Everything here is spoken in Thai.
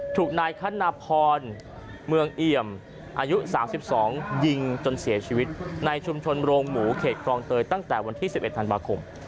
ถูกนายคณพรเมืองเอี่ยมอายุ๓๒ยิงจนเสียชีวิตในชุมชนโรงหมูเขตคลองเตยตั้งแต่วันที่๑๑ธันวาคม